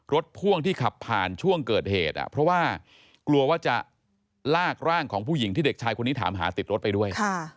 พ่วงที่ขับผ่านช่วงเกิดเหตุเพราะว่ากลัวว่าจะลากร่างของผู้หญิงที่เด็กชายคนนี้ถามหาติดรถไปด้วย